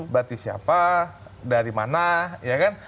berarti siapa dari mana ya kan